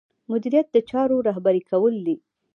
مدیریت د چارو رهبري کول دي.